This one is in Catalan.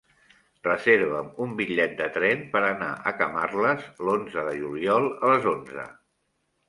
Reserva'm un bitllet de tren per anar a Camarles l'onze de juliol a les onze.